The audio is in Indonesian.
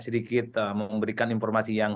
sedikit memberikan informasi yang